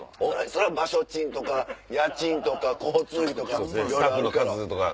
それは場所賃とか家賃とか交通費とかいろいろあるから。